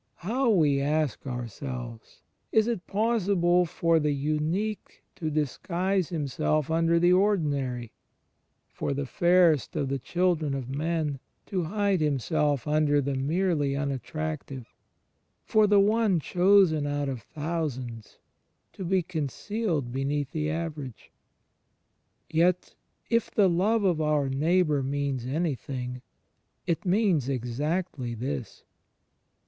How, we ask ourselves, is it possible for the Unique to disguise Himself imder the Ordinary, for the Fairest of the children of men to hide Himself imder the merely unattractive, for the One "chosen out of thousands" ^ to be concealed beneath the Average? Yet, if the love of our neighbour means any thing, it means exactly this.